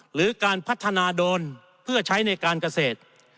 หรือการพัฒนาโดรนเพื่อใช้ในการเกษตร